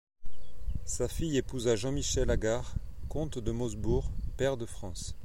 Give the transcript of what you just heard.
Sa fille épousa Jean-Michel Agar, comte de Mosbourg, pair de France.